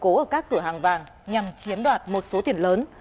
các đối tượng đã cố ở các cửa hàng vàng nhằm kiếm đoạt một số tiền lớn